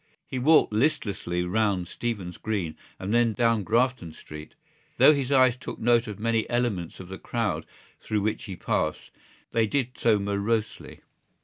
He walked listlessly round Stephen's Green and then down Grafton Street. Though his eyes took note of many elements of the crowd through which he passed they did so morosely.